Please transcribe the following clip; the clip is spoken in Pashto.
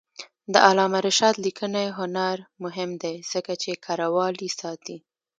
د علامه رشاد لیکنی هنر مهم دی ځکه چې کرهوالي ساتي.